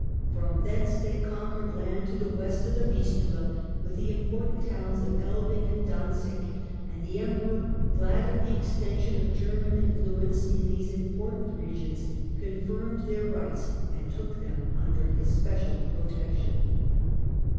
From thence they conquered land to the West of the Vistula with the important towns of Elbing and Danzig; and the Emperor, glad of the extension of German influence in these important regions, confirmed their rights and took them imder his special protection.